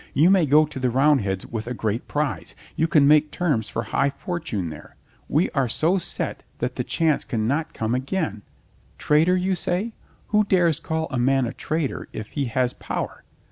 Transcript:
You may go to the Roundheads with a great prize. You can make terms for high fortune there. We are so set that the chance can not come again. Traitor, you say? Who dares call a man traitor if he has power?